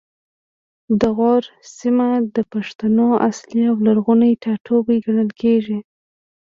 د غور سیمه د پښتنو اصلي او لرغونی ټاټوبی ګڼل کیږي